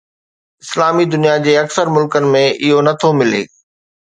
اسلامي دنيا جي اڪثر ملڪن ۾ اهو نه ٿو ملي.